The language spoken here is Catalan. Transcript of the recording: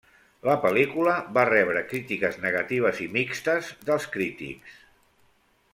La pel·lícula va rebre crítiques negatives i mixtes dels crítics.